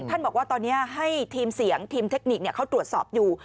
บอกว่าตอนนี้ให้ทีมเสียงทีมเทคนิคเขาตรวจสอบอยู่